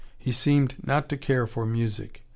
He seemed not to care for music.